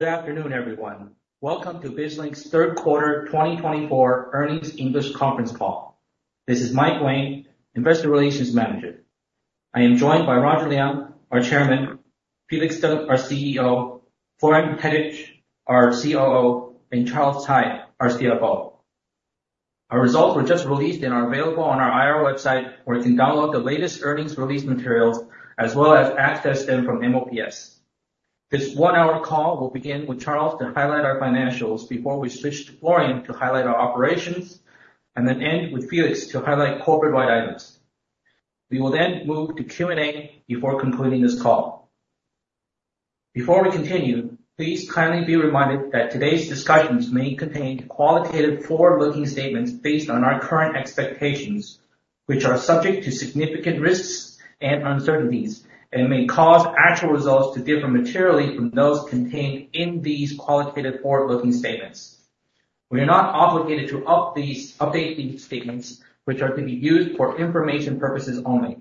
Good afternoon, everyone. Welcome to BizLink's Third Quarter 2024 Earnings English Conference Call. This is Mike Wang, Investor Relations Manager. I am joined by Roger Liang, our Chairman, Felix Teng, our CEO, Florian Hettich, our COO, and Charles Tsai, our CFO. Our results were just released and are available on our IR website, where you can download the latest earnings release materials as well as access them from MOPS. This one-hour call will begin with Charles to highlight our financials before we switch to Florian to highlight our operations, and then end with Felix to highlight corporate-wide items. We will then move to Q&A before concluding this call. Before we continue, please kindly be reminded that today's discussions may contain qualitative forward-looking statements based on our current expectations, which are subject to significant risks and uncertainties, and may cause actual results to differ materially from those contained in these qualitative forward-looking statements. We are not obligated to update these statements, which are to be used for information purposes only.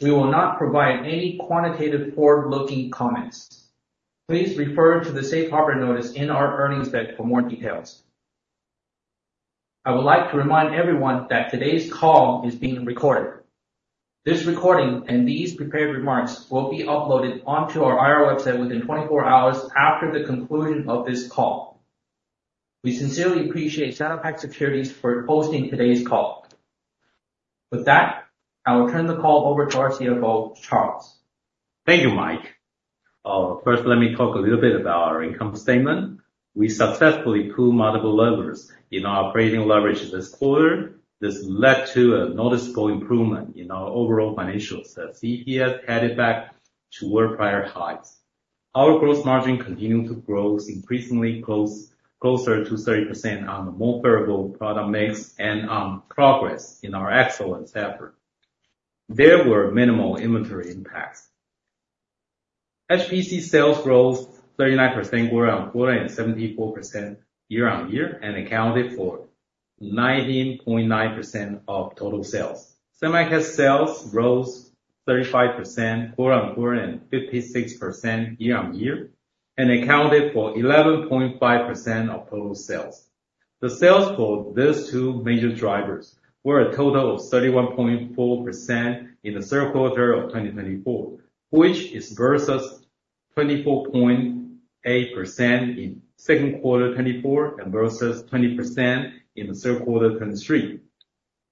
We will not provide any quantitative forward-looking comments. Please refer to the Safe Harbor Notice in our earnings deck for more details. I would like to remind everyone that today's call is being recorded. This recording and these prepared remarks will be uploaded onto our IR website within 24 hours after the conclusion of this call. We sincerely appreciate Sinopac Securities for hosting today's call. With that, I will turn the call over to our CFO, Charles. Thank you, Mike. First, let me talk a little bit about our income statement. We successfully pulled multiple levers in our operating leverage this quarter. This led to a noticeable improvement in our overall financials, as EPS headed back to world-record highs. Our gross margin continued to grow, increasingly closer to 30% on a more favorable product mix and on progress in our excellence effort. There were minimal inventory impacts. HPC sales rose 39% quarter-on-quarter and 74% year-on-year, and accounted for 19.9% of total sales. Semiconductor sales rose 35% quarter-on-quarter and 56% year-on-year, and accounted for 11.5% of total sales. The sales for these two major drivers were a total of 31.4% in the third quarter of 2024, which is versus 24.8% in second quarter 2024 and versus 20% in the third quarter 2023.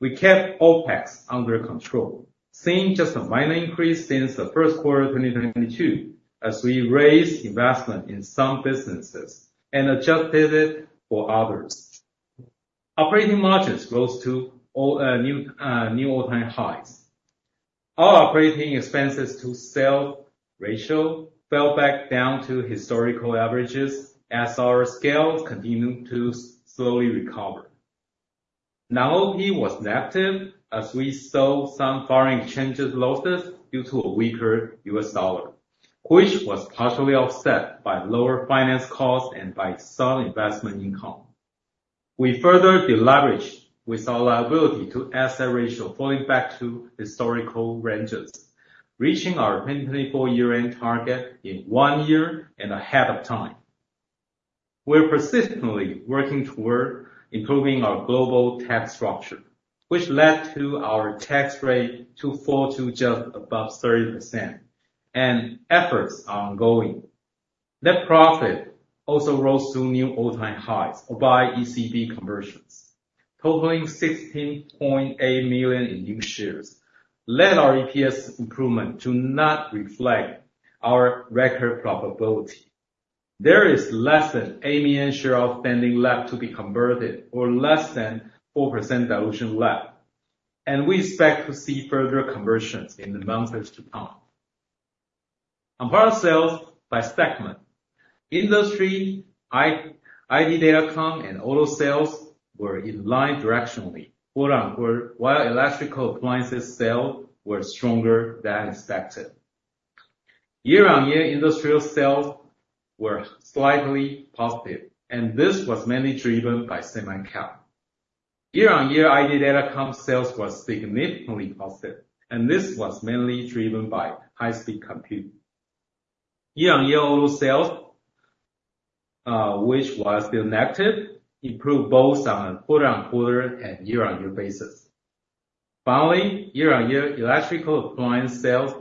We kept OPEX under control, seeing just a minor increase since the first quarter of 2022, as we raised investment in some businesses and adjusted it for others. Operating margins rose to new all-time highs. Our operating expenses-to-sales ratio fell back down to historical averages as our sales continued to slowly recover. Non-OP was negative as we saw some foreign exchange losses due to a weaker US dollar, which was partially offset by lower finance costs and by some investment income. We further deleveraged with our liability-to-asset ratio falling back to historical ranges, reaching our 2024 year-end target in one year and ahead of time. We are persistently working toward improving our global tax structure, which led to our tax rate falling to just above 30%, and efforts are ongoing. Net profit also rose to new all-time highs by ECB conversions, totaling 16.8 million in new shares, led our EPS improvement to not reflect our record profitability. There is less than 8 million shares outstanding left to be converted or less than 4% dilution left, and we expect to see further conversions in the months to come. On product sales by segment, industrial IT Datacom and auto sales were in line directionally, while electrical appliances sales were stronger than expected. Year-on-year industrial sales were slightly positive, and this was mainly driven by semi-cap. Year-on-year IT Datacom sales were significantly positive, and this was mainly driven by high-speed compute. Year-on-year auto sales, which was still negative, improved both on a quarter-on-quarter and year-on-year basis. Finally, year-on-year electrical appliance sales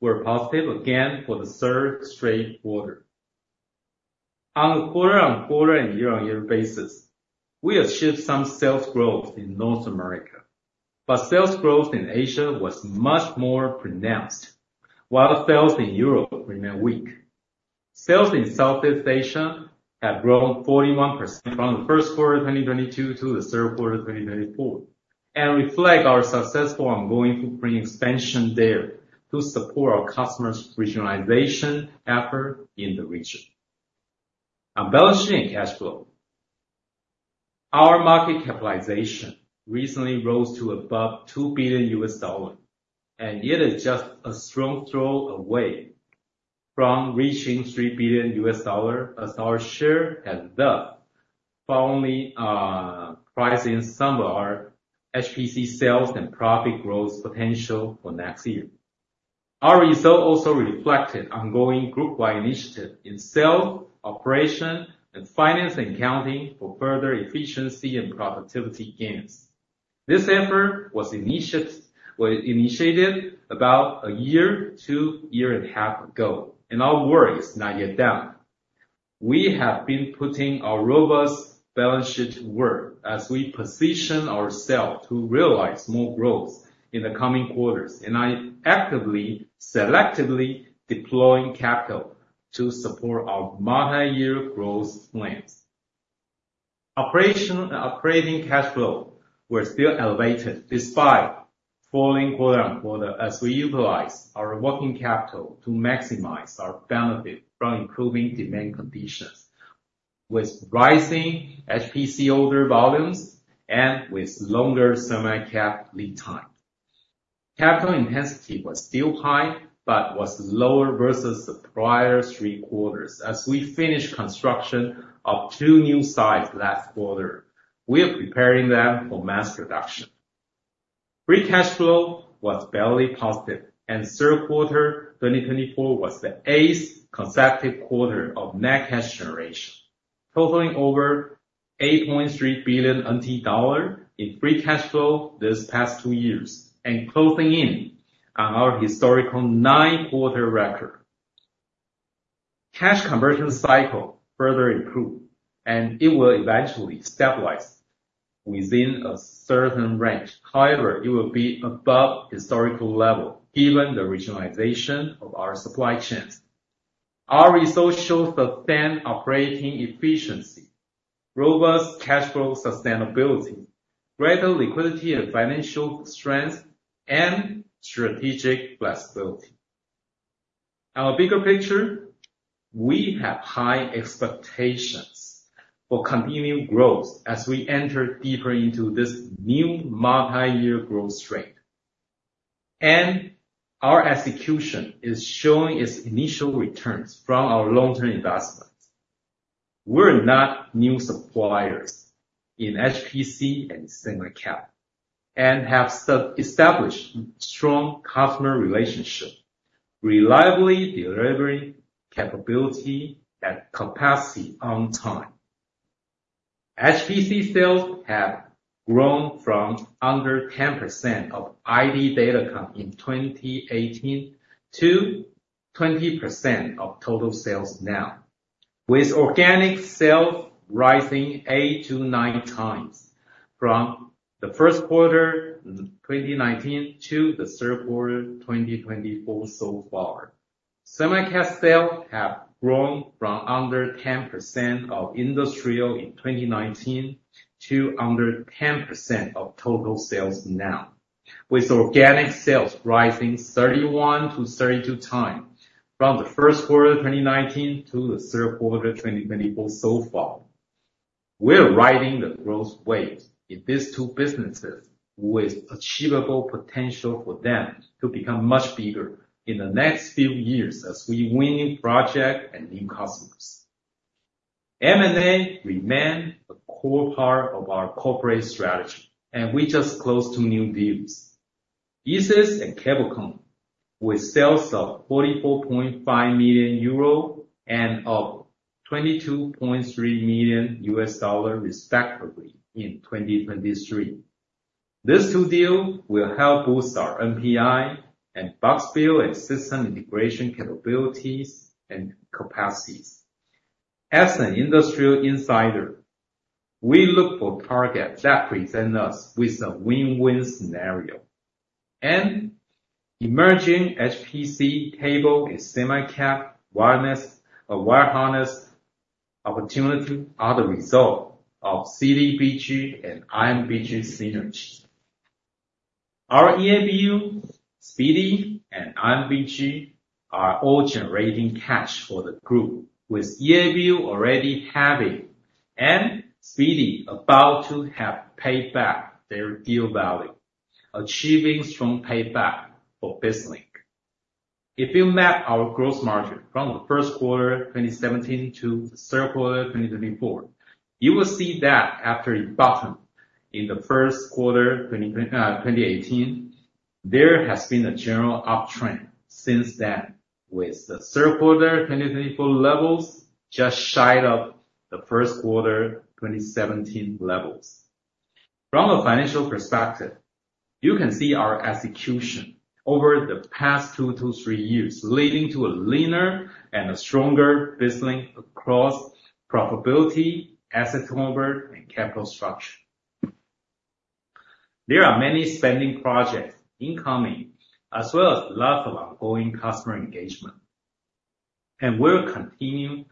were positive again for the third straight quarter. On a quarter-on-quarter and year-on-year basis, we achieved some sales growth in North America, but sales growth in Asia was much more pronounced, while sales in Europe remained weak. Sales in Southeast Asia have grown 41% from the first quarter of 2022 to the third quarter of 2024 and reflect our successful ongoing footprint expansion there to support our customers' regionalization effort in the region. On balance sheet and cash flow, our market capitalization recently rose to above $2 billion, and it is just a stone's throw away from reaching $3 billion as our share has doubled following pricing some of our HPC sales and profit growth potential for next year. Our result also reflected ongoing group-wide initiatives in sales, operation, and finance and accounting for further efficiency and productivity gains. This effort was initiated about a year to a year and a half ago, and our work is not yet done. We have been putting our robust balance sheet to work as we position ourselves to realize more growth in the coming quarters, and I actively selectively deploy capital to support our multi-year growth plans. Operating cash flow was still elevated despite falling quarter-on-quarter as we utilized our working capital to maximize our benefit from improving demand conditions with rising HPC order volumes and with longer semi-cap lead time. Capital intensity was still high but was lower versus the prior three quarters as we finished construction of two new sites last quarter. We are preparing them for mass production. Free cash flow was barely positive, and third quarter 2024 was the eighth consecutive quarter of net cash generation, totaling over 8.3 billion NT dollar in free cash flow this past two years and closing in on our historical nine-quarter record. Cash conversion cycle further improved, and it will eventually stabilize within a certain range. However, it will be above historical levels given the regionalization of our supply chains. Our results show sustained operating efficiency, robust cash flow sustainability, greater liquidity and financial strength, and strategic flexibility. On a bigger picture, we have high expectations for continued growth as we enter deeper into this new multi-year growth streak, and our execution is showing its initial returns from our long-term investments. We're not new suppliers in HPC and semi-cap and have established strong customer relationships, reliably delivering capability and capacity on time. HPC sales have grown from under 10% of industrial data com in 2018 to 20% of total sales now, with organic sales rising eight to nine times from the first quarter 2019 to the third quarter 2024 so far. Semiconductor sales have grown from under 10% of industrial in 2019 to under 10% of total sales now, with organic sales rising 31-32 times from the first quarter 2019 to the third quarter 2024 so far. We're riding the growth wave in these two businesses, with achievable potential for them to become much bigger in the next few years as we win new projects and new customers. M&A remains a core part of our corporate strategy, and we just closed two new deals, Easys and The Cable Connection, with sales of 44.5 million euro and of $22.3 million respectively in 2023. These two deals will help boost our NPI and box build and system integration capabilities and capacities. As an industrial insider, we look for targets that present us with a win-win scenario, and emerging HPC, cable, and semi-cap wire harness opportunities are the result of CDBG and IMBG synergy. Our EABU, SPD, and IMBG are all generating cash for the group, with EABU already having and SPD about to have paid back their deal value, achieving strong payback for BizLink. If you map our gross margin from the first quarter 2017 to the third quarter 2024, you will see that after it bottomed in the first quarter 2018, there has been a general uptrend since then, with the third quarter 2024 levels just shy of the first quarter 2017 levels. From a financial perspective, you can see our execution over the past two to three years leading to a leaner and a stronger BizLink across profitability, asset conversion, and capital structure. There are many spending projects incoming, as well as lots of ongoing customer engagement, and we'll continue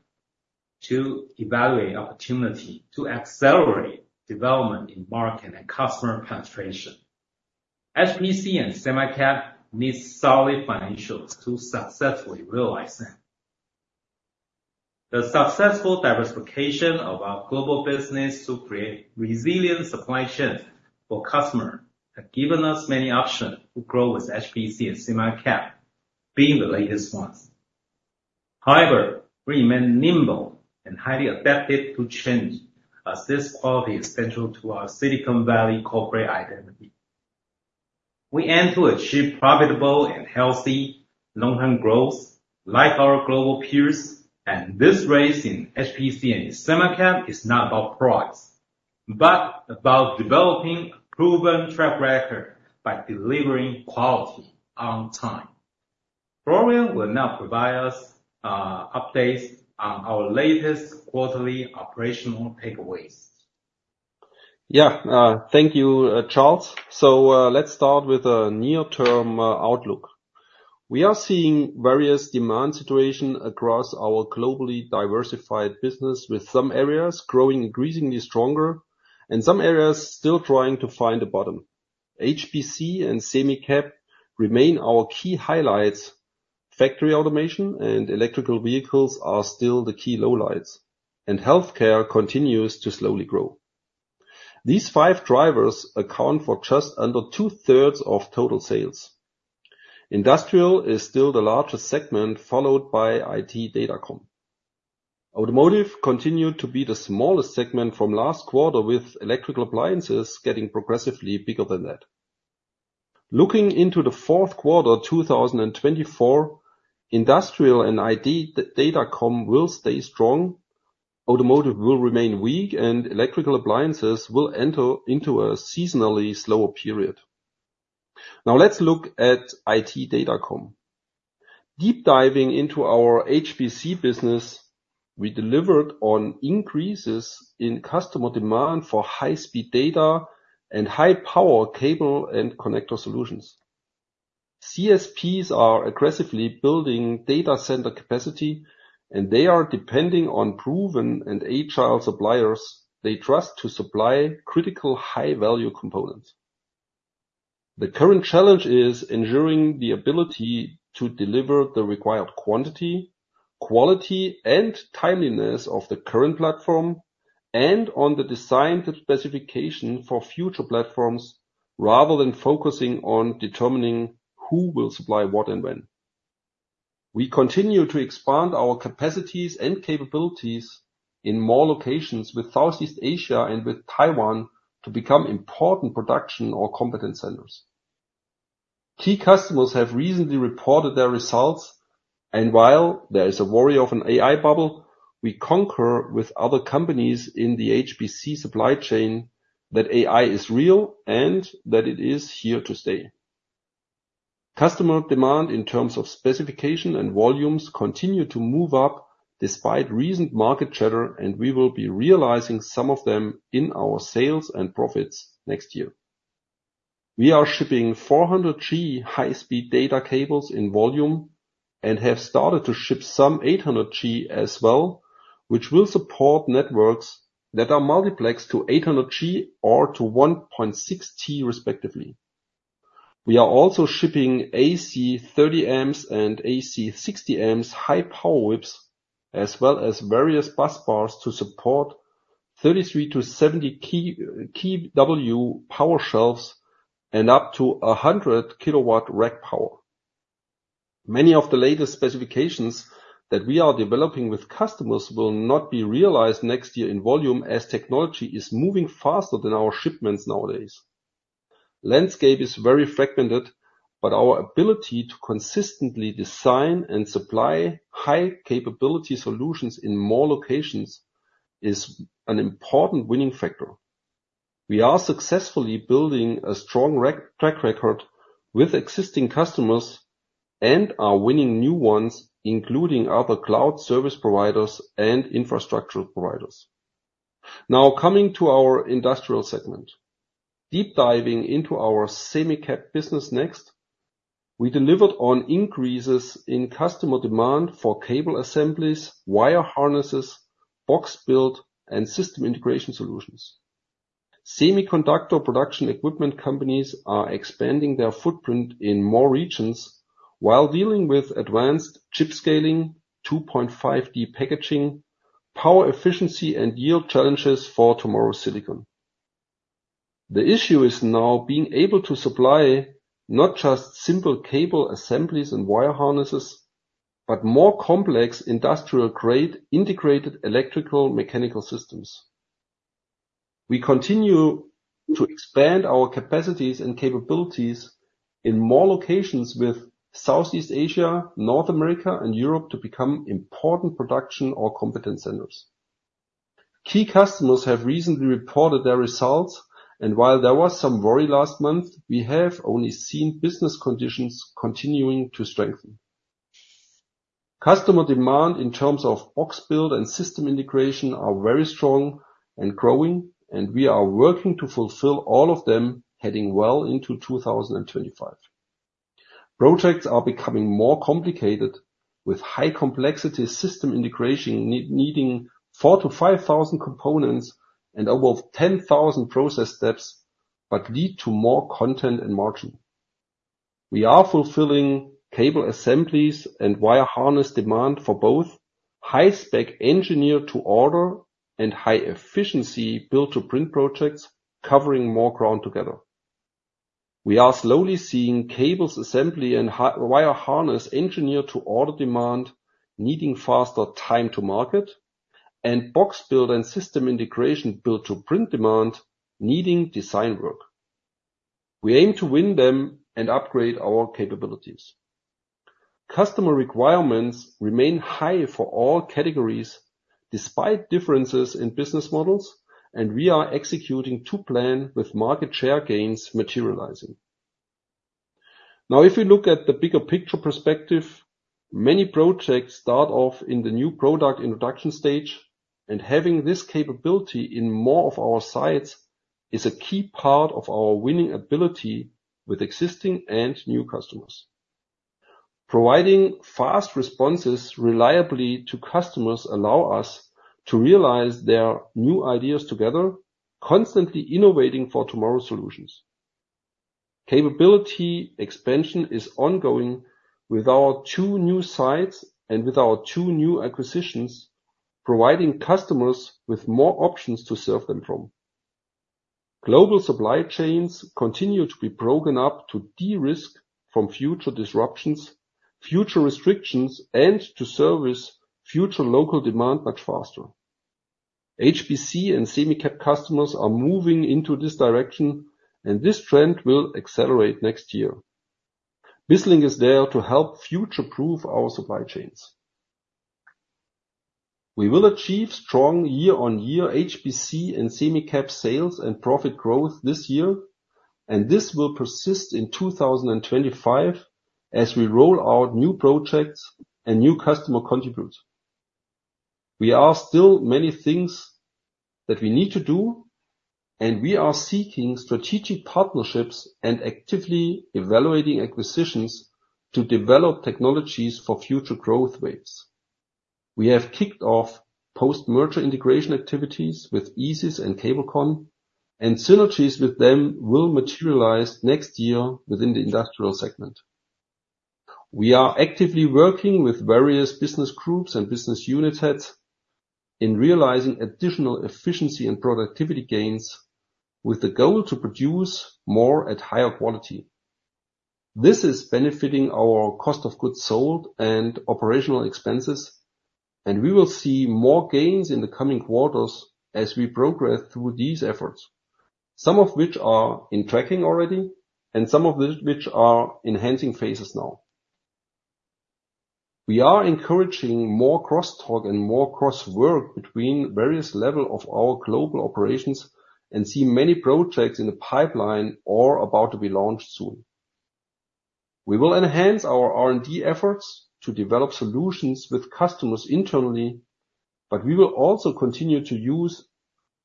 to evaluate opportunities to accelerate development in market and customer penetration. HPC and semi-cap need solid financials to successfully realize them. The successful diversification of our global business to create resilient supply chains for customers has given us many options to grow with HPC and semi-cap, being the latest ones. However, we remain nimble and highly adaptable to change as this quality is central to our Silicon Valley corporate identity. We aim to achieve profitable and healthy long-term growth like our global peers, and this race in HPC and semi-cap is not about price but about developing a proven track record by delivering quality on time. Florian will now provide us updates on our latest quarterly operational takeaways. Yeah, thank you, Charles. So, let's start with a near-term outlook. We are seeing various demand situations across our globally diversified business, with some areas growing increasingly stronger and some areas still trying to find a bottom. HPC and semi-cap remain our key highlights. Factory automation and electric vehicles are still the key lowlights, and healthcare continues to slowly grow. These five drivers account for just under two-thirds of total sales. Industrial is still the largest segment, followed by IT data com. Automotive continued to be the smallest segment from last quarter, with electrical appliances getting progressively bigger than that. Looking into the fourth quarter 2024, industrial and IT data com will stay strong. Automotive will remain weak, and electrical appliances will enter into a seasonally slower period. Now, let's look at IT data com. Deep diving into our HPC business, we delivered on increases in customer demand for high-speed data and high-power cable and connector solutions. CSPs are aggressively building data center capacity, and they are depending on proven and agile suppliers they trust to supply critical high-value components. The current challenge is ensuring the ability to deliver the required quantity, quality, and timeliness of the current platform and on the design specifications for future platforms, rather than focusing on determining who will supply what and when. We continue to expand our capacities and capabilities in more locations with Southeast Asia and with Taiwan to become important production or competence centers. Key customers have recently reported their results, and while there is a worry of an AI bubble, we concur with other companies in the HPC supply chain that AI is real and that it is here to stay. Customer demand in terms of specification and volumes continues to move up despite recent market chatter, and we will be realizing some of them in our sales and profits next year. We are shipping 400G high-speed data cables in volume and have started to ship some 800G as well, which will support networks that are multiplexed to 800G or to 1.6T respectively. We are also shipping AC 30 amps and AC 60 amps high-power whips, as well as various bus bars to support 33-70 kW power shelves and up to 100 kW rack power. Many of the latest specifications that we are developing with customers will not be realized next year in volume as technology is moving faster than our shipments nowadays. Landscape is very fragmented, but our ability to consistently design and supply high-capability solutions in more locations is an important winning factor. We are successfully building a strong track record with existing customers and are winning new ones, including other cloud service providers and infrastructure providers. Now, coming to our industrial segment, deep diving into our semi-cap business next, we delivered on increases in customer demand for cable assemblies, wire harnesses, box build, and system integration solutions. Semiconductor production equipment companies are expanding their footprint in more regions while dealing with advanced chip scaling, 2.5D packaging, power efficiency, and yield challenges for tomorrow's silicon. The issue is now being able to supply not just simple cable assemblies and wire harnesses, but more complex industrial-grade integrated electrical mechanical systems. We continue to expand our capacities and capabilities in more locations with Southeast Asia, North America, and Europe to become important production or competence centers. Key customers have recently reported their results, and while there was some worry last month, we have only seen business conditions continuing to strengthen. Customer demand in terms of box build and system integration is very strong and growing, and we are working to fulfill all of them heading well into 2025. Projects are becoming more complicated, with high-complexity system integration needing 4,000-5,000 components and about 10,000 process steps, but lead to more content and margin. We are fulfilling cable assemblies and wire harness demand for both high-spec engineered-to-order and high-efficiency build-to-print projects covering more ground together. We are slowly seeing cable assembly and wire harness engineered-to-order demand needing faster time to market and box build and system integration build-to-print demand needing design work. We aim to win them and upgrade our capabilities. Customer requirements remain high for all categories despite differences in business models, and we are executing to plan with market share gains materializing. Now, if we look at the bigger picture perspective, many projects start off in the new product introduction stage, and having this capability in more of our sites is a key part of our winning ability with existing and new customers. Providing fast responses reliably to customers allows us to realize their new ideas together, constantly innovating for tomorrow's solutions. Capability expansion is ongoing with our two new sites and with our two new acquisitions, providing customers with more options to serve them from. Global supply chains continue to be broken up to de-risk from future disruptions, future restrictions, and to service future local demand much faster. HPC and semi-cap customers are moving into this direction, and this trend will accelerate next year. BizLink is there to help future-proof our supply chains. We will achieve strong year-on-year HPC and semi-cap sales and profit growth this year, and this will persist in 2025 as we roll out new projects and new customer contribute. We are still many things that we need to do, and we are seeking strategic partnerships and actively evaluating acquisitions to develop technologies for future growth waves. We have kicked off post-merger integration activities with Easys and The Cable Connection, and synergies with them will materialize next year within the industrial segment. We are actively working with various business groups and business units in realizing additional efficiency and productivity gains with the goal to produce more at higher quality. This is benefiting our cost of goods sold and operational expenses, and we will see more gains in the coming quarters as we progress through these efforts, some of which are in tracking already and some of which are in enhancing phases now. We are encouraging more cross-talk and more cross-work between various levels of our global operations and see many projects in the pipeline or about to be launched soon. We will enhance our R&D efforts to develop solutions with customers internally, but we will also continue to use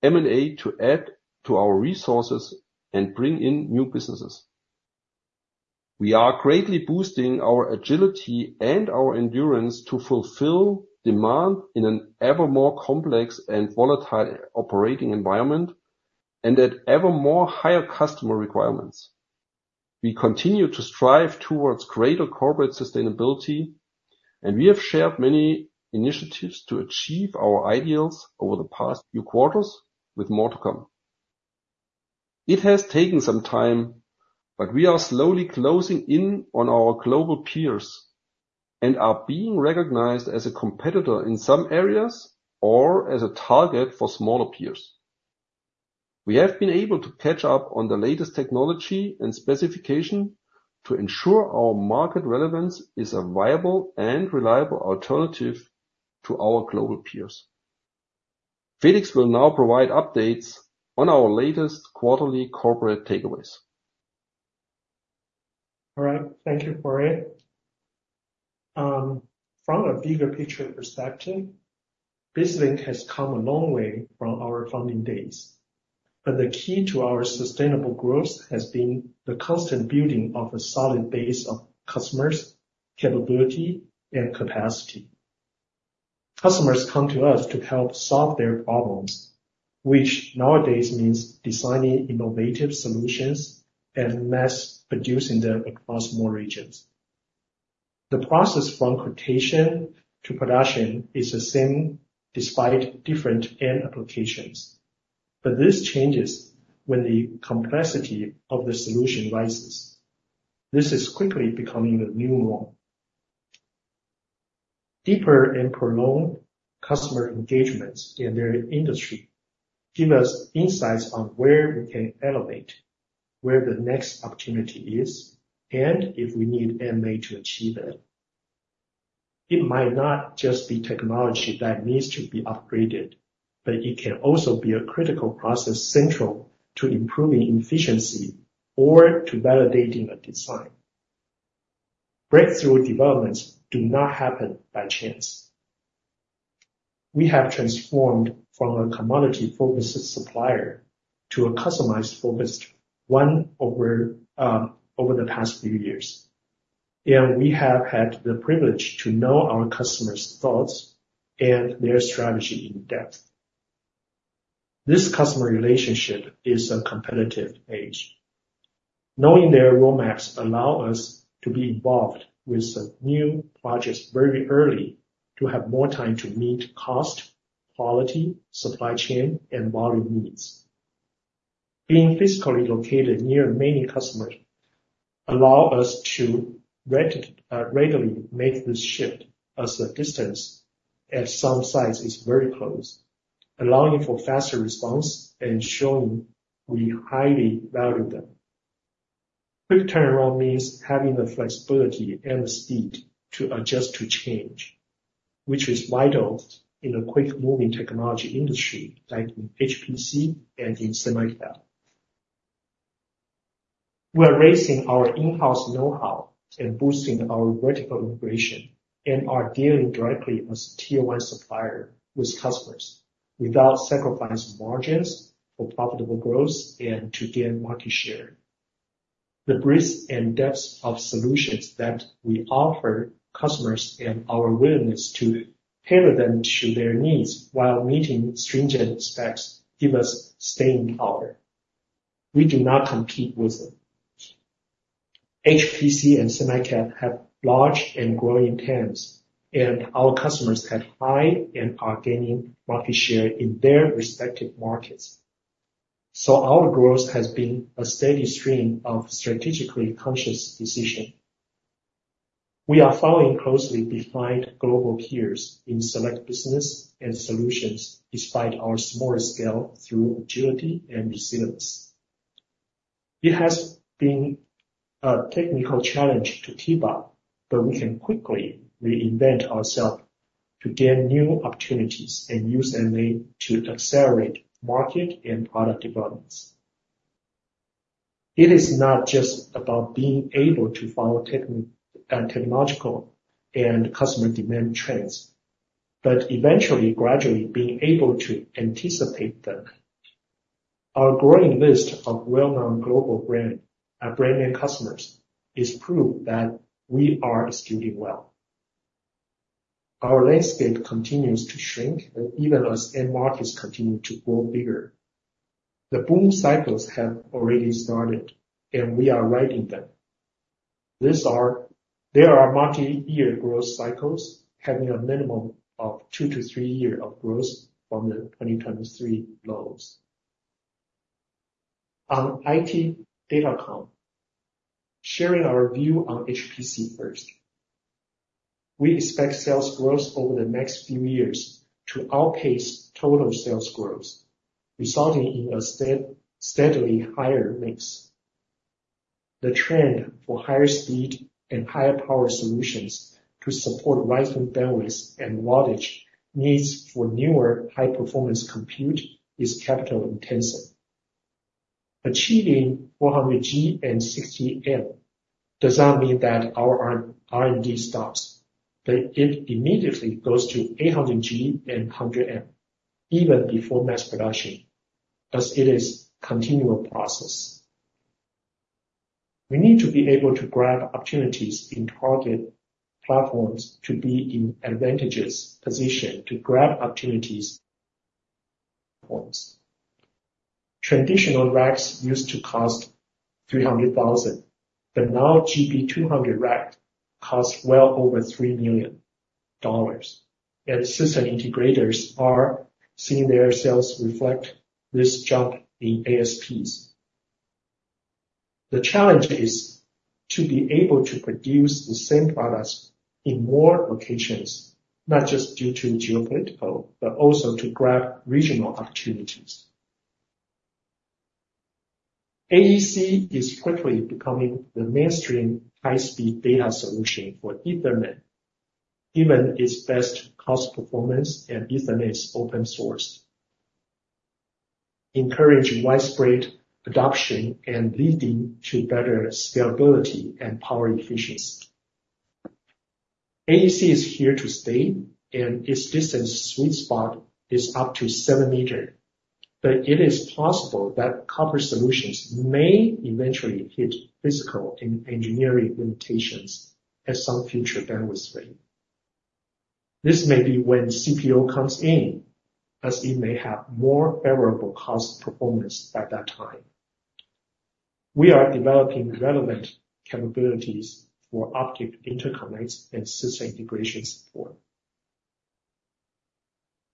M&A to add to our resources and bring in new businesses. We are greatly boosting our agility and our endurance to fulfill demand in an ever more complex and volatile operating environment and at ever more higher customer requirements. We continue to strive towards greater corporate sustainability, and we have shared many initiatives to achieve our ideals over the past few quarters with more to come. It has taken some time, but we are slowly closing in on our global peers and are being recognized as a competitor in some areas or as a target for smaller peers. We have been able to catch up on the latest technology and specification to ensure our market relevance is a viable and reliable alternative to our global peers. Felix will now provide updates on our latest quarterly corporate takeaways. All right, thank you, Florian. From a bigger picture perspective, BizLink has come a long way from our founding days, but the key to our sustainable growth has been the constant building of a solid base of customers, capability, and capacity. Customers come to us to help solve their problems, which nowadays means designing innovative solutions and mass-producing them across more regions. The process from quotation to production is the same despite different end applications, but this changes when the complexity of the solution rises. This is quickly becoming the new norm. Deeper and prolonged customer engagements in their industry give us insights on where we can elevate, where the next opportunity is, and if we need M&A to achieve it. It might not just be technology that needs to be upgraded, but it can also be a critical process central to improving efficiency or to validating a design. Breakthrough developments do not happen by chance. We have transformed from a commodity-focused supplier to a customized-focused one over the past few years, and we have had the privilege to know our customers' thoughts and their strategy in depth. This customer relationship is a competitive edge. Knowing their roadmaps allows us to be involved with new projects very early to have more time to meet cost, quality, supply chain, and volume needs. Being physically located near many customers allows us to regularly make this shift as the distance at some sites is very close, allowing for faster response and showing we highly value them. Quick turnaround means having the flexibility and the speed to adjust to change, which is vital in a quick-moving technology industry like in HPC and in semi-cap. We are raising our in-house know-how and boosting our vertical integration and are dealing directly as a tier-one supplier with customers without sacrificing margins for profitable growth and to gain market share. The breadth and depth of solutions that we offer customers and our willingness to tailor them to their needs while meeting stringent specs give us staying power. We do not compete with them. HPC and semi-cap have large and growing talents, and our customers have high and are gaining market share in their respective markets. So our growth has been a steady stream of strategically conscious decision. We are following closely defined global peers in select business and solutions despite our smaller scale through agility and resilience. It has been a technical challenge to keep up, but we can quickly reinvent ourselves to gain new opportunities and use M&A to accelerate market and product developments. It is not just about being able to follow technological and customer demand trends, but eventually, gradually being able to anticipate them. Our growing list of well-known global brands and brand-name customers is proof that we are still doing well. Our landscape continues to shrink even as end markets continue to grow bigger. The boom cycles have already started, and we are riding them. There are multi-year growth cycles having a minimum of two to three years of growth from the 2023 lows. On IT data comp, sharing our view on HPC first. We expect sales growth over the next few years to outpace total sales growth, resulting in a steadily higher mix. The trend for higher speed and higher power solutions to support widespread bandwidth and wattage needs for newer high-performance compute is capital-intensive. Achieving 400G and 60M does not mean that our R&D stops, but it immediately goes to 800G and 100M even before mass production, as it is a continual process. We need to be able to grab opportunities in target platforms to be in advantageous position to grab opportunities. Traditional racks used to cost $300,000, but now GB200 racks cost well over $3 million, and system integrators are seeing their sales reflect this jump in ASPs. The challenge is to be able to produce the same products in more locations, not just due to geopolitical, but also to grab regional opportunities. AEC is quickly becoming the mainstream high-speed data solution for Ethernet, given its best cost performance and Ethernet's open source, encouraging widespread adoption and leading to better scalability and power efficiency. AEC is here to stay, and its distance sweet spot is up to seven meters, but it is possible that copper solutions may eventually hit physical and engineering limitations at some future bandwidth rate. This may be when CPO comes in, as it may have more favorable cost performance at that time. We are developing relevant capabilities for optic interconnects and system integration support.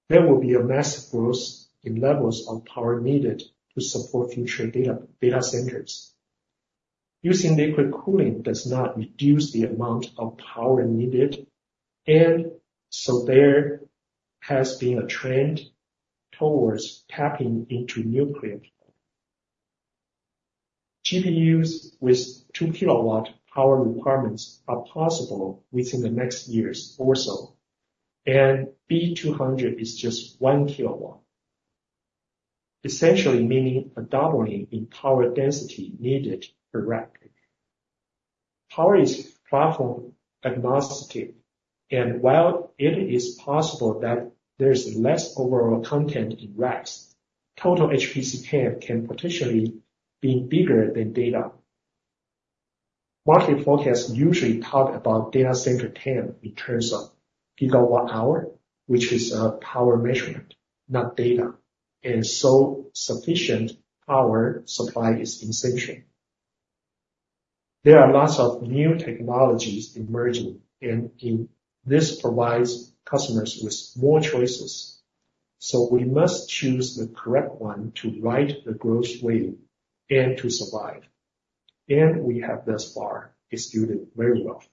There will be a massive growth in levels of power needed to support future data centers. Using liquid cooling does not reduce the amount of power needed, and so there has been a trend towards tapping into nuclear. GPUs with two kilowatt power requirements are possible within the next years or so, and B200 is just one kilowatt, essentially meaning a doubling in power density needed per rack. Power is platform agnostic, and while it is possible that there is less overall content in racks, total HPC load can potentially be bigger than data. Market forecasts usually talk about data center load in terms of gigawatt hour, which is a power measurement, not data, and so sufficient power supply is essential. There are lots of new technologies emerging, and this provides customers with more choices, so we must choose the correct one to ride the growth wave and to survive, and we have thus far executed very well.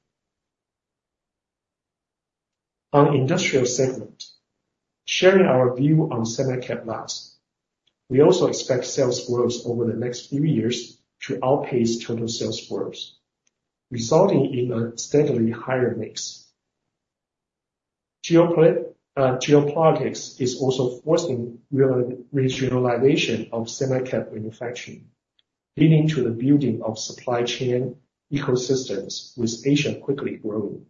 On industrial segment, sharing our view on semi-cap labs, we also expect sales growth over the next few years to outpace total sales growth, resulting in a steadily higher mix. Geopolitics is also forcing regionalization of semi-cap manufacturing, leading to the building of supply chain ecosystems with Asia quickly growing,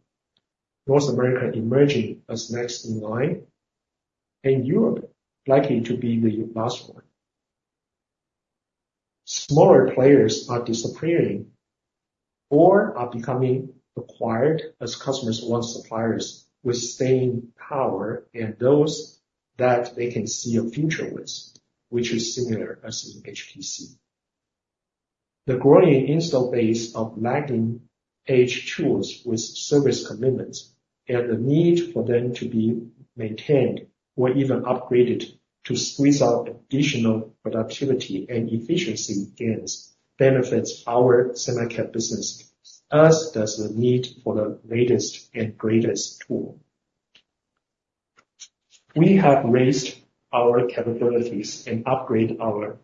North America emerging as next in line, and Europe likely to be the last one. Smaller players are disappearing or are becoming acquired as customers want suppliers with staying power and those that they can see a future with, which is similar as in HPC. The growing install base of lagging edge tools with service commitments and the need for them to be maintained or even upgraded to squeeze out additional productivity and efficiency gains benefits our semi-cap business, as does the need for the latest and greatest tool. We have raised our capabilities and upgraded our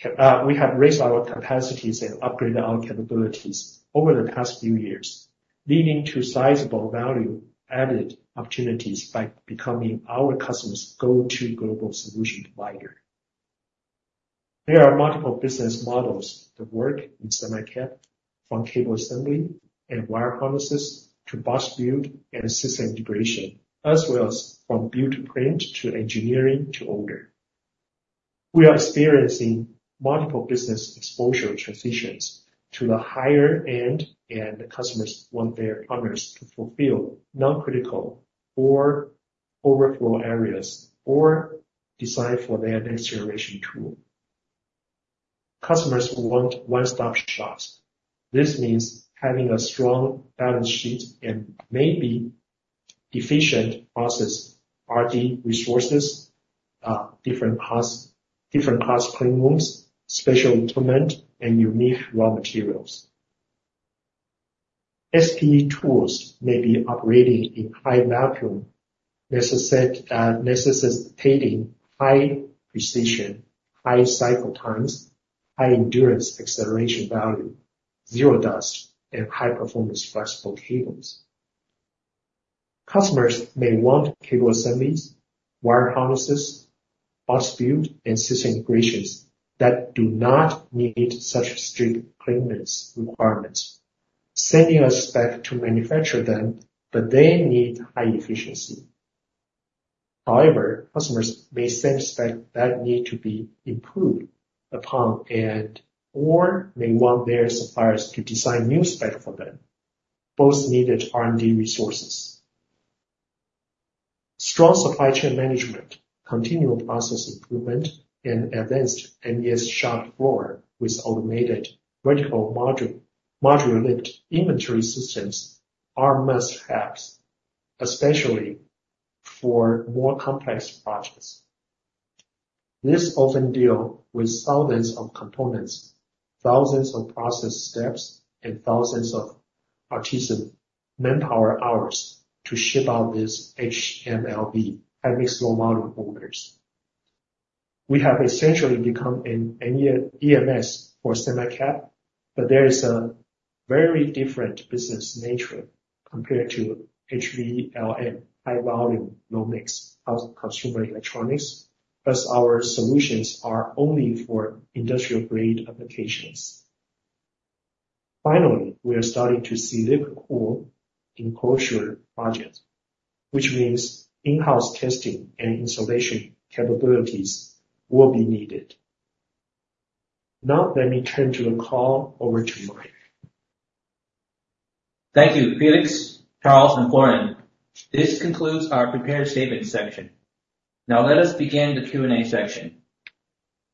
capacities and upgraded our capabilities over the past few years, leading to sizable value-added opportunities by becoming our customer's go-to global solution provider. There are multiple business models that work in semi-cap, from cable assembly and wire harnesses to box build and system integration, as well as from build to print to engineering to order. We are experiencing multiple business exposure transitions to the higher end, and customers want their partners to fulfill non-critical or overflow areas or design for their next generation tool. Customers want one-stop shops. This means having a strong balance sheet and maybe efficient process R&D resources, different cost cleanrooms, special equipment, and unique raw materials. Semi-cap tools may be operating in high vacuum, necessitating high precision, high cycle times, high endurance acceleration value, zero dust, and high-performance flexible cables. Customers may want cable assemblies, wire harnesses, box build, and system integrations that do not need such strict cleanliness requirements, sending us back to manufacture them, but they need high efficiency. However, customers may send specs that need to be improved upon and/or may want their suppliers to design new specs for them, both needed R&D resources. Strong supply chain management, continual process improvement, and advanced MES shop floor with automated vertical modular lift inventory systems are must-haves, especially for more complex projects. This often deals with thousands of components, thousands of process steps, and thousands of artisan manpower hours to ship out these HMLV, high-mix raw material orders. We have essentially become an EMS for semi-cap, but there is a very different business nature compared to HVLM, high-volume, low-mix consumer electronics, as our solutions are only for industrial-grade applications. Finally, we are starting to see liquid cooling in enclosure projects, which means in-house testing and installation capabilities will be needed. Now, let me turn the call over to Mike. Thank you, Felix, Charles, and Florian. This concludes our prepared statement section. Now, let us begin the Q&A section.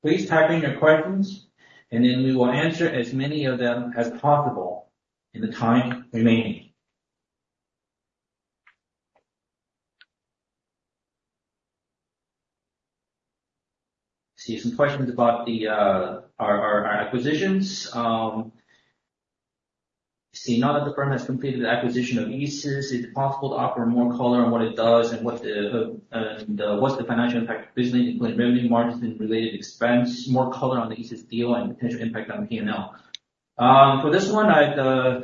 Please type in your questions, and then we will answer as many of them as possible in the time remaining. I see some questions about our acquisitions. I see one: Has the firm completed the acquisition of Easys? Is it possible to offer more color on what it does and what's the financial impact of business, including revenue margins and related expense? More color on the Easys deal and potential impact on P&L. For this one, I'd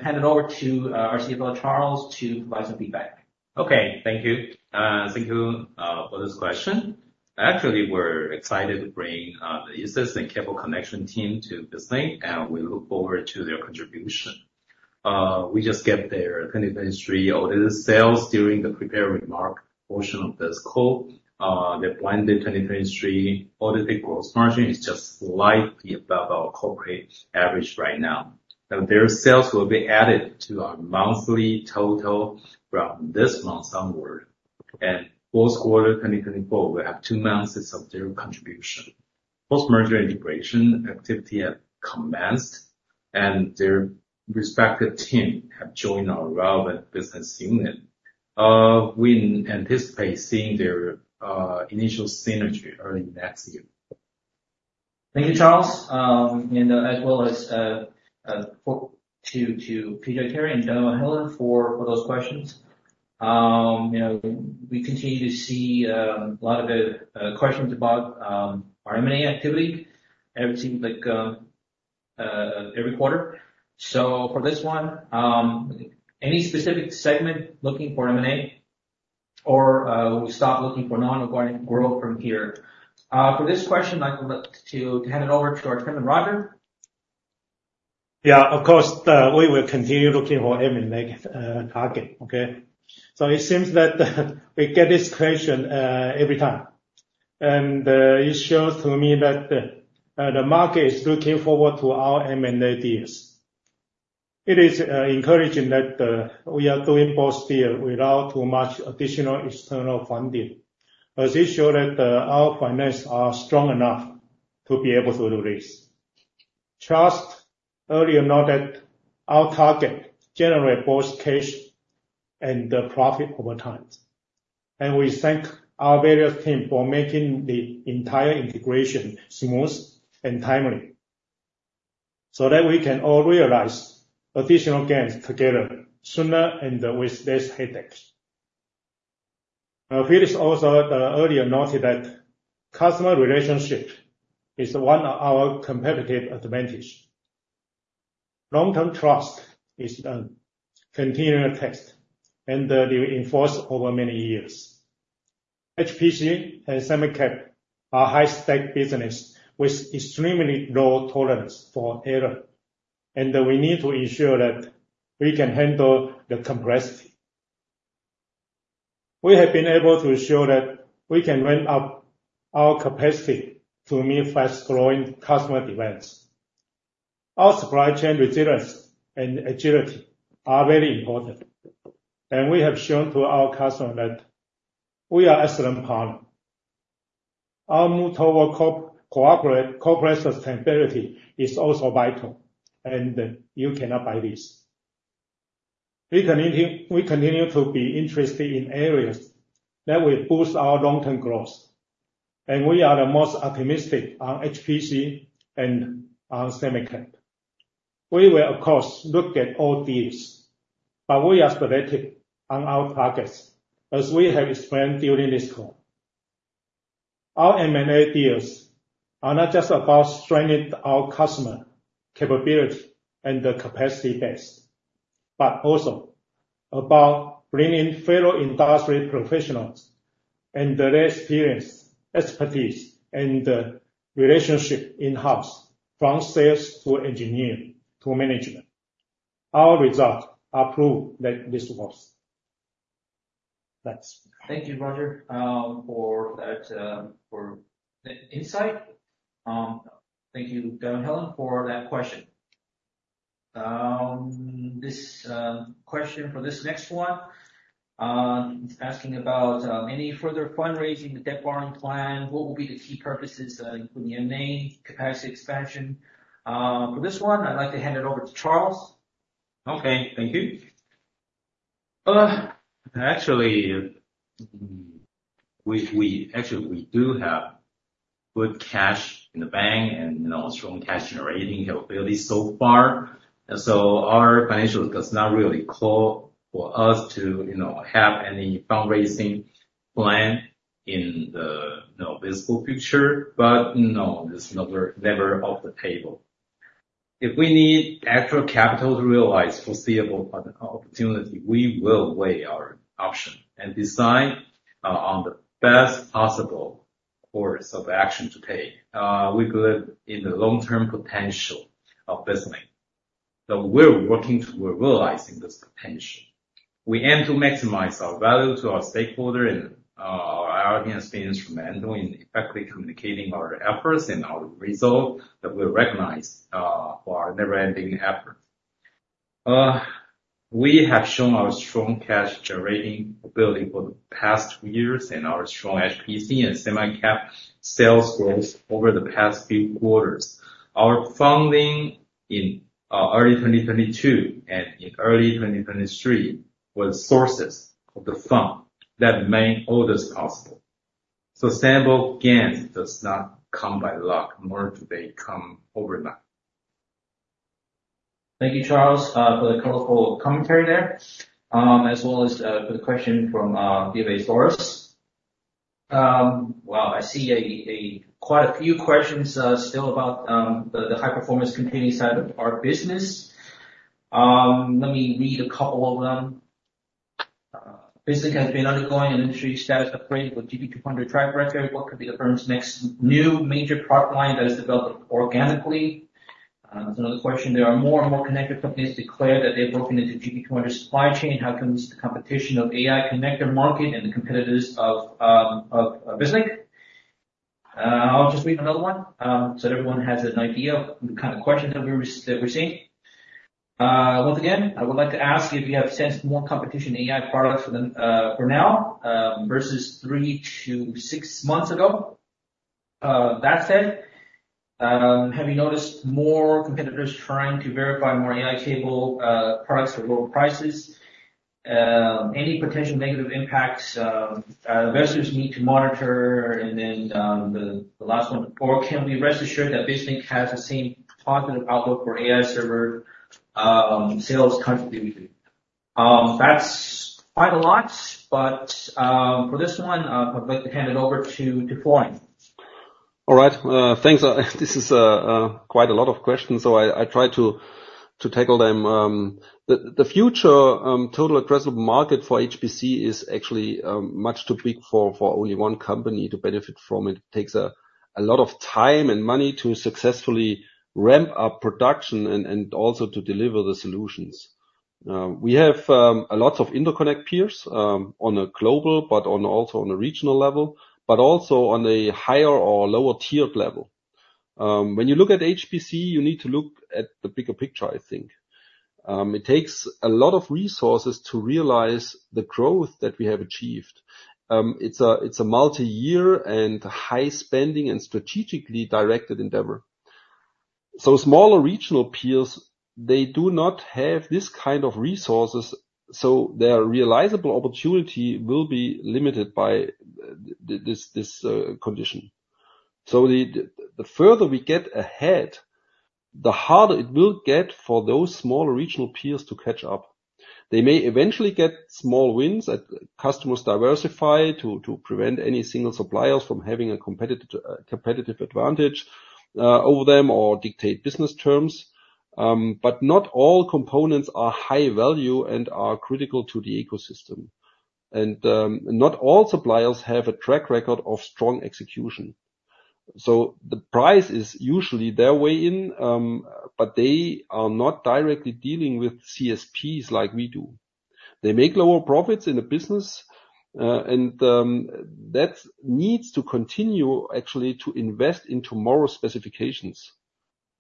hand it over to our CFO, Charles, to provide some feedback. Okay, thank you. Thank you for this question. Actually, we're excited to bring the Easys and Cable Connection team to BizLink, and we look forward to their contribution. We just get their 2023 audited sales during the prepared remark portion of this call. The blended 2023 audited gross margin is just slightly above our corporate average right now. Now, their sales will be added to our monthly total from this month onward, and post-quarter 2024, we have two months of their contribution. Post-merger integration activity has commenced, and their respective team have joined our relevant business unit. We anticipate seeing their initial synergy early next year. Thank you, Charles, and as well as to Peter Terry and Daniel Heller for those questions. We continue to see a lot of questions about our M&A activity. Every quarter. So for this one, any specific segment looking for M&A, or will we stop looking for non-organic growth from here? For this question, I'd like to hand it over to our Chairman Roger. Yeah, of course, we will continue looking for M&A target, okay? So it seems that we get this question every time, and it shows to me that the market is looking forward to our M&A deals. It is encouraging that we are doing both deals without too much additional external funding, as it shows that our finances are strong enough to be able to do this. Trust me or not that our target generates both cash and profit over time, and we thank our various teams for making the entire integration smooth and timely so that we can all realize additional gains together sooner and with less headaches. Felix also earlier noted that customer relationship is one of our competitive advantages. Long-term trust is a continuing test, and it will endure over many years. HPC and semi-cap are high-stakes businesses with extremely low tolerance for error, and we need to ensure that we can handle the complexity. We have been able to show that we can ramp up our capacity to meet fast-growing customer demands. Our supply chain resilience and agility are very important, and we have shown to our customers that we are excellent partners. Our mutual cooperative sustainability is also vital, and you cannot buy this. We continue to be interested in areas that will boost our long-term growth, and we are the most optimistic on HPC and on semi-cap. We will, of course, look at all deals, but we are selective on our targets, as we have explained during this call. Our M&A deals are not just about strengthening our customer capability and the capacity base, but also about bringing fellow industry professionals and their experience, expertise, and relationships in-house, from sales to engineering to management. Our results are proof that this works. Thanks. Thank you, Roger, for that insight. Thank you, Daniel Heller, for that question. This question for this next one is asking about any further fundraising, the debt borrowing plan. What will be the key purposes, including M&A, capacity expansion? For this one, I'd like to hand it over to Charles. Okay, thank you. Actually, we do have good cash in the bank and strong cash generating capabilities so far. So our financials do not really call for us to have any fundraising plan in the visible future, but no, it's never off the table. If we need extra capital to realize foreseeable opportunity, we will weigh our options and decide on the best possible course of action to take. We believe in the long-term potential of business. So we're working toward realizing this potential. We aim to maximize our value to our stakeholders and our R&D and experience from in effectively communicating our efforts and our results that we recognize for our never-ending effort. We have shown our strong cash generating ability for the past two years and our strong HPC and semi-cap sales growth over the past few quarters. Our funding in early 2022 and in early 2023 were the sources of the fund that made all this possible. So ample gains do not come by luck nor do they come overnight. Thank you, Charles, for the colorful commentary there, as well as for the question from Viva Flores. Wow, I see quite a few questions still about the high-performance computing side of our business. Let me read a couple of them. Business has been undergoing an industry status upgrade with GB200 track record. What could be the firm's next new major product line that is developed organically? There's another question. There are more and more connector companies declared that they've broken into GB200 supply chain. How about the competition of AI connector market and the competitors of BizLink? I'll just read another one so everyone has an idea of the kind of questions that we're seeing. Once again, I would like to ask if you have sensed more competition in AI products for now versus three to six months ago. That said, have you noticed more competitors trying to supply more AI cable products for lower prices? Any potential negative impacts investors need to monitor? And then the last one, or can we rest assured that BizLink has the same positive outlook for AI server sales contribution? That's quite a lot, but for this one, I'd like to hand it over to Florian. All right, thanks. This is quite a lot of questions, so I try to tackle them. The future total addressable market for HPC is actually much too big for only one company to benefit from it. It takes a lot of time and money to successfully ramp up production and also to deliver the solutions. We have lots of interconnect peers on a global, but also on a regional level, but also on a higher or lower-tiered level. When you look at HPC, you need to look at the bigger picture, I think. It takes a lot of resources to realize the growth that we have achieved. It's a multi-year and high-spending and strategically directed endeavor. So smaller regional peers, they do not have this kind of resources, so their realizable opportunity will be limited by this condition. So the further we get ahead, the harder it will get for those smaller regional peers to catch up. They may eventually get small wins at customers' diversifying to prevent any single suppliers from having a competitive advantage over them or dictate business terms, but not all components are high value and are critical to the ecosystem. And not all suppliers have a track record of strong execution. So the price is usually their way in, but they are not directly dealing with CSPs like we do. They make lower profits in the business, and that needs to continue actually to invest in tomorrow's specifications.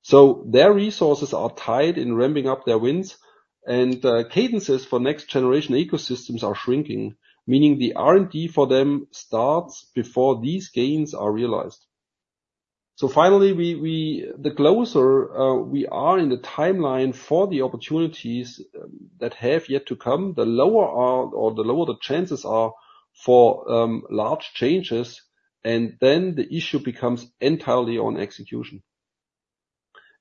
So their resources are tied in ramping up their wins, and cadences for next-generation ecosystems are shrinking, meaning the R&D for them starts before these gains are realized. So finally, the closer we are in the timeline for the opportunities that have yet to come, the lower the chances are for large changes, and then the issue becomes entirely on execution.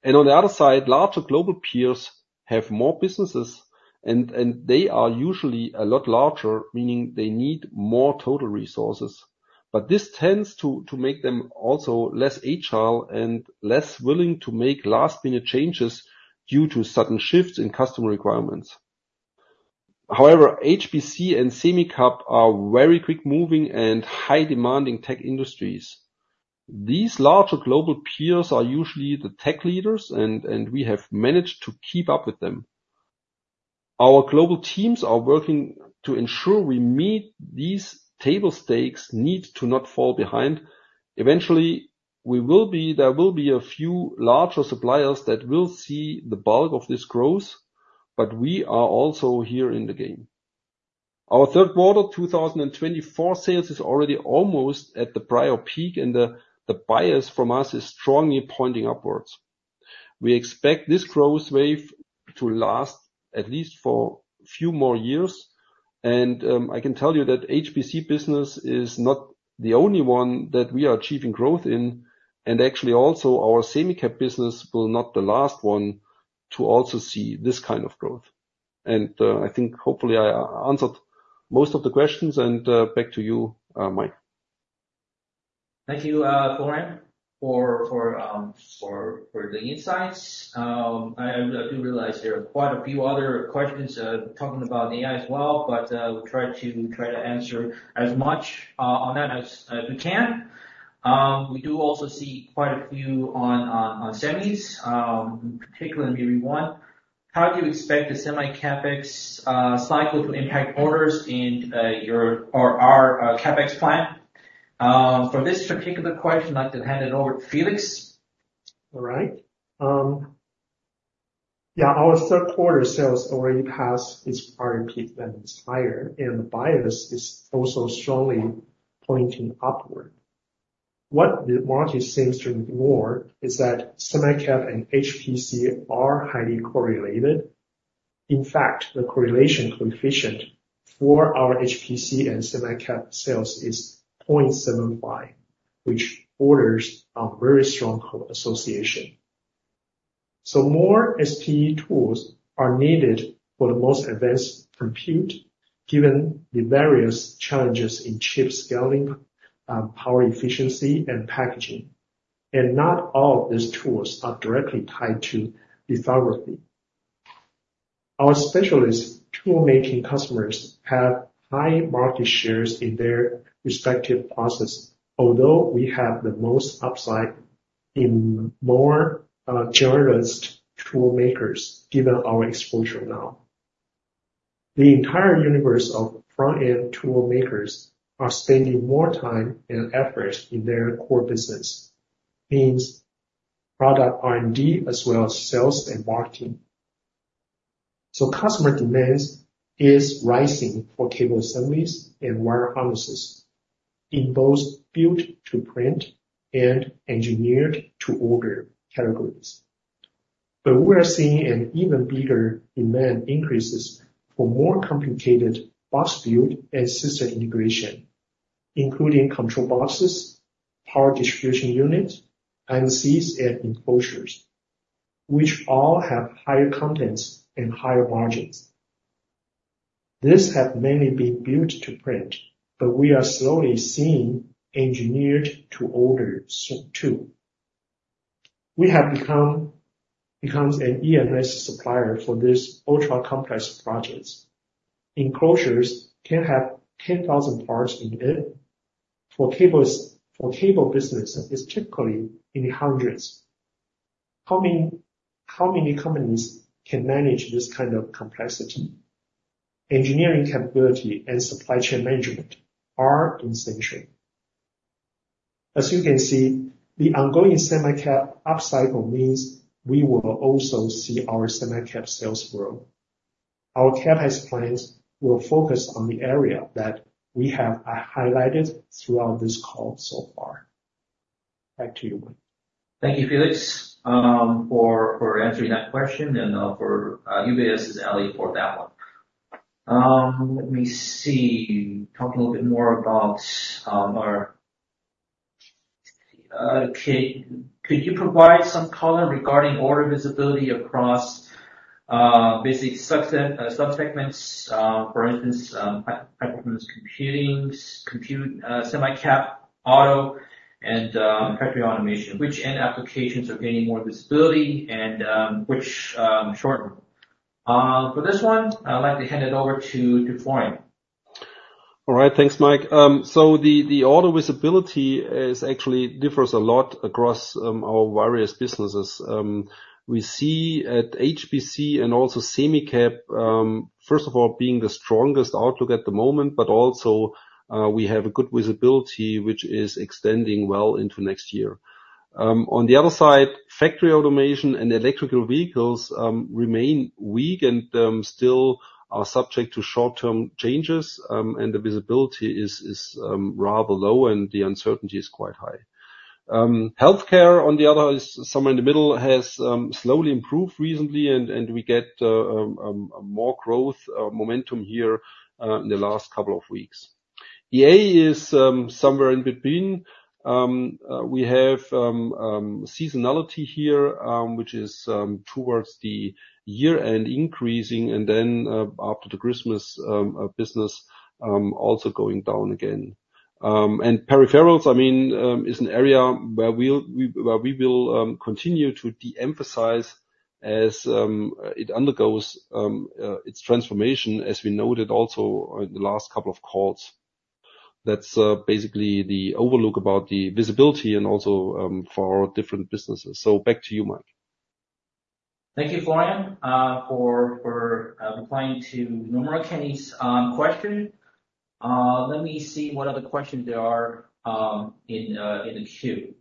And on the other side, larger global peers have more businesses, and they are usually a lot larger, meaning they need more total resources. But this tends to make them also less agile and less willing to make last-minute changes due to sudden shifts in customer requirements. However, HPC and semi-cap are very quick-moving and high-demanding tech industries. These larger global peers are usually the tech leaders, and we have managed to keep up with them. Our global teams are working to ensure we meet these table stakes need to not fall behind. Eventually, there will be a few larger suppliers that will see the bulk of this growth, but we are also here in the game. Our third quarter 2024 sales is already almost at the prior peak, and the bias from us is strongly pointing upwards. We expect this growth wave to last at least for a few more years, and I can tell you that HPC business is not the only one that we are achieving growth in, and actually also our semi-cap business will not be the last one to also see this kind of growth, and I think hopefully I answered most of the questions, and back to you, Mike. Thank you, Florian, for the insights. I do realize there are quite a few other questions talking about AI as well, but we'll try to answer as much on that as we can. We do also see quite a few on semis, particularly in VB1. How do you expect the semi-capex cycle to impact orders in your or our CapEx plan? For this particular question, I'd like to hand it over to Felix. All right. Yeah, our third quarter sales already passed its R&P and its higher, and the bias is also strongly pointing upward. What the market seems to ignore is that semi-cal and HPC are highly correlated. In fact, the correlation coefficient for our HPC and semi-cal sales is 0.75, which orders a very strong association. So more SPE tools are needed for the most advanced compute, given the various challenges in chip scaling, power efficiency, and packaging. And not all of these tools are directly tied to lithography. Our specialist tool-making customers have high market shares in their respective processes, although we have the most upside in more generalist tool makers, given our exposure now. The entire universe of front-end tool makers are spending more time and effort in their core business, means product R&D as well as sales and marketing. So customer demand is rising for cable assemblies and wire harnesses in both built-to-print and engineered-to-order categories. But we are seeing an even bigger demand increase for more complicated box build and system integration, including control boxes, power distribution units, IMCs, and enclosures, which all have higher contents and higher margins. This has mainly been built-to-print, but we are slowly seeing engineered-to-order too. We have become an EMS supplier for these ultra-complex projects. Enclosures can have 10,000 parts in it. For cable business, it's typically in the hundreds. How many companies can manage this kind of complexity? Engineering capability and supply chain management are essential. As you can see, the ongoing semi-cap upcycle means we will also see our semi-cap sales grow. Our CapEx plans will focus on the area that we have highlighted throughout this call so far. Back to you, Mike. Thank you, Felix, for answering that question, and for UBS's Ellie for that one. Let me see. Talk a little bit more about our. Could you provide some color regarding order visibility across business subsegments, for instance, high-performance computing, semi-cap, auto, and factory automation? Which end applications are gaining more visibility and which shorten? For this one, I'd like to hand it over to Florian. All right, thanks, Mike. So the order visibility actually differs a lot across our various businesses. We see at HPC and also semi-cap, first of all, being the strongest outlook at the moment, but also we have good visibility, which is extending well into next year. On the other side, factory automation and electric vehicles remain weak and still are subject to short-term changes, and the visibility is rather low, and the uncertainty is quite high. Healthcare, on the other hand, somewhere in the middle, has slowly improved recently, and we get more growth momentum here in the last couple of weeks. EA is somewhere in between. We have seasonality here, which is towards the year-end increasing, and then after the Christmas business also going down again. And peripherals, I mean, is an area where we will continue to de-emphasize as it undergoes its transformation, as we noted also in the last couple of calls. That's basically the overview about the visibility and also for different businesses. So back to you, Mike. Thank you, Florian, for replying to numerous questions. Let me see what other questions there are in the queue.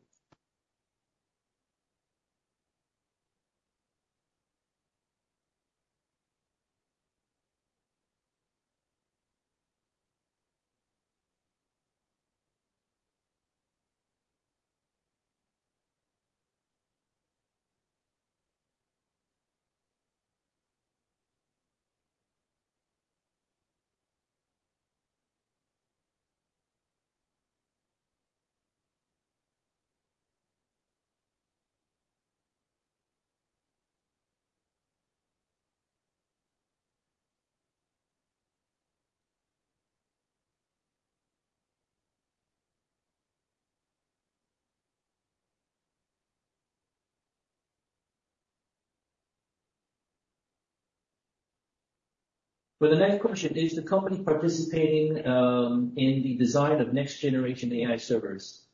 For the next question, is the company participating in the design of next-generation AI servers?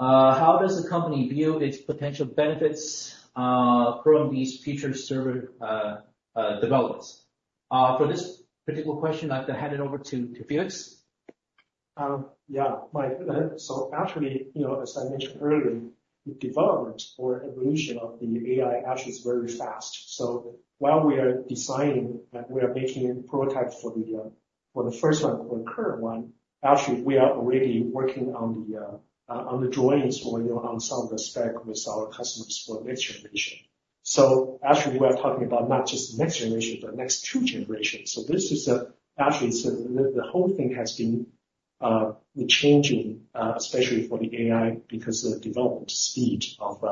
How does the company view its potential benefits from these future server developments? For this particular question, I'd like to hand it over to Felix. Yeah, Mike. So actually, as I mentioned earlier, the development or evolution of the AI actually is very fast. So while we are designing, we are making prototypes for the first one, for the current one, actually, we are already working on the drawings or on some of the spec with our customers for next generation. So actually, we are talking about not just next generation, but next two generations. So this is actually the whole thing has been changing, especially for the AI because of the development speed of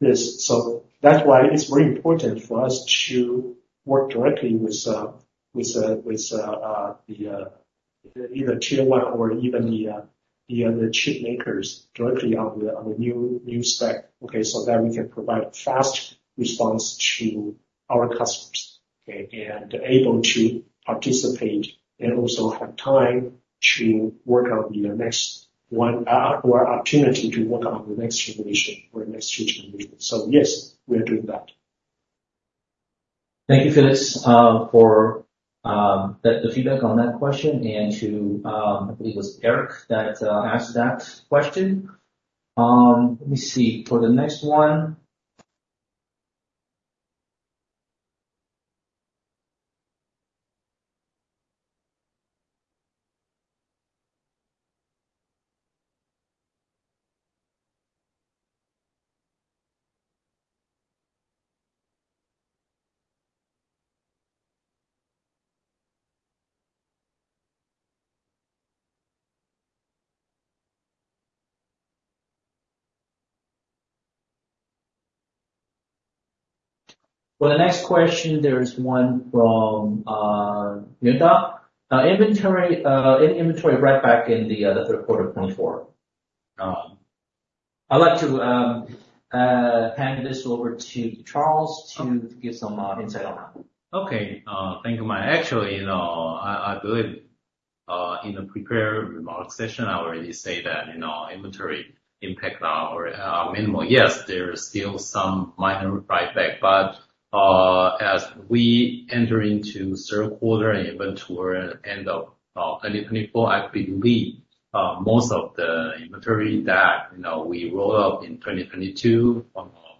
this. So that's why it's very important for us to work directly with either Tier 1 or even the chip makers directly on the new spec, okay, so that we can provide a fast response to our customers, okay, and able to participate and also have time to work on the next one or opportunity to work on the next generation or next two generations. So yes, we are doing that. Thank you, Felix, for the feedback on that question, and to, I believe, it was Eric that asked that question. Let me see. For the next one. For the next question, there is one from Mirta. Inventory write-back in the third quarter 2024. I'd like to hand this over to Charles to give some insight on that. Okay. Thank you, Mike. Actually, I believe in the prepared remarks session, I already said that inventory impact our minimum. Yes, there are still some minor write-back, but as we enter into third quarter and inventory end of 2024, I believe most of the inventory that we rolled up in 2022,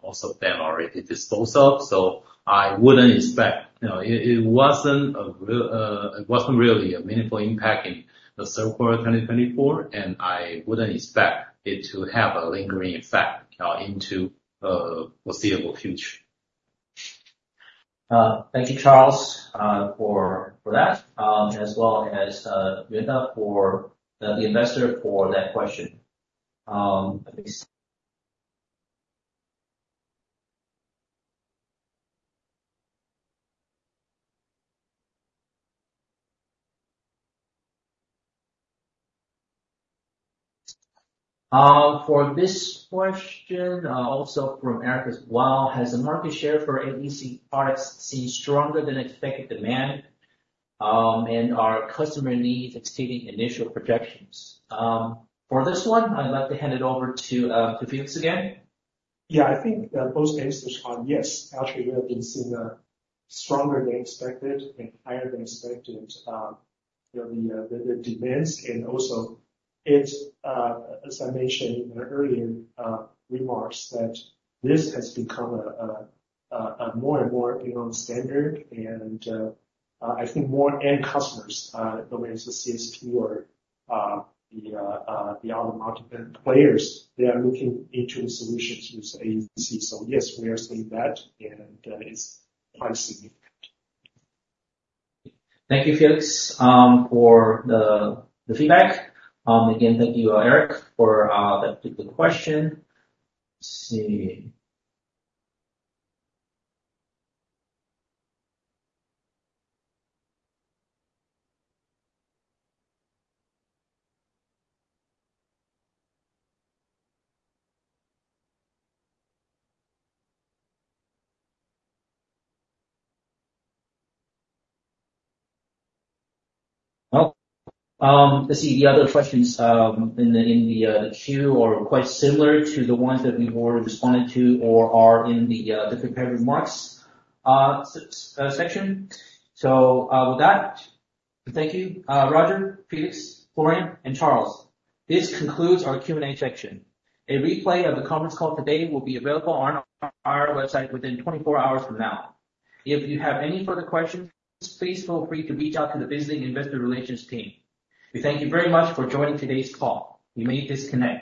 most of them already disposed of. So I wouldn't expect it wasn't really a meaningful impact in the third quarter 2024, and I wouldn't expect it to have a lingering effect into the foreseeable future. Thank you, Charles, for that, as well as Mirta for the investor for that question. For this question, also from Eric as well, has the market share for AEC products seen stronger than expected demand, and are customer needs exceeding initial projections? For this one, I'd like to hand it over to Felix again. Yeah, I think both answers are yes. Actually, we have been seeing a stronger than expected and higher than expected the demands. Also, as I mentioned in earlier remarks, that this has become more and more standard. I think more end customers, whether it's the CSP or the other market players, they are looking into solutions with AEC. Yes, we are seeing that, and it's quite significant. Thank you, Felix, for the feedback. Again, thank you, Eric, for the question. Let's see. Let's see. The other questions in the queue are quite similar to the ones that we've already responded to or are in the prepared remarks section. With that, thank you, Roger, Felix, Florian, and Charles. This concludes our Q&A section. A replay of the conference call today will be available on our website within 24 hours from now. If you have any further questions, please feel free to reach out to the BizLink investor relations team. We thank you very much for joining today's call. You may disconnect.